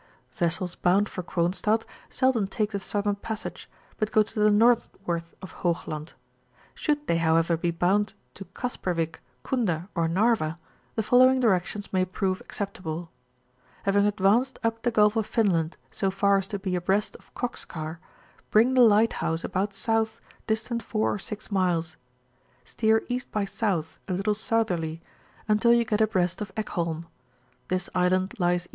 Vessels bound for Gronstadt seldom take the southernpassage, but go to the north ward of Hoogland; should they, however, be bound to Kasperwick, Kunda, or Narva, the following directions mayprove acceptable :— Having advanced up the Gulf of Finland so far as to be abreast of Kokskar, bring the lighthouse about South, distant 4 or 6 miles; steer £. by S., a little southerly, until you get abreast of Ekholm ; this island lies £.